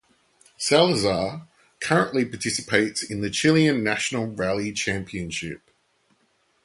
Salazar currently participates in the Chilean national rally championship.